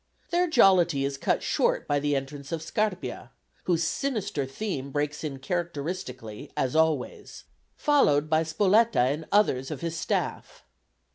Their jollity is cut short by the entrance of Scarpia whose sinister theme breaks in characteristically, as always followed by Spoletta and others of his staff.